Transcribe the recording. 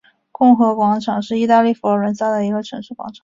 共和广场是意大利佛罗伦萨的一个城市广场。